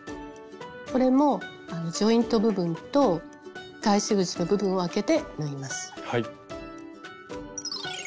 これもジョイント部分と返し口の部分をあけて縫います。